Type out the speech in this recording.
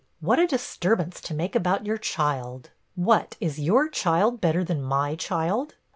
What a disturbance to make about your child! What, is your child, better than my child?